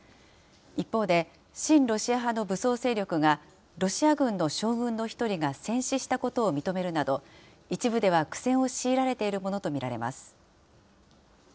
一方で、親ロシア派の武装勢力が、ロシア軍の将軍の１人が戦死したことを認めるなど、一部では苦戦を強いられているものと見られます。